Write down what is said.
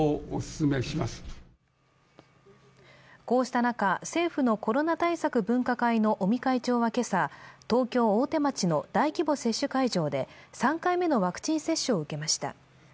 こうした中、政府のコロナ対策分科会の尾身会長は今朝、東京・大手町の大規模接種会場で３回目のワクチン接種を受けました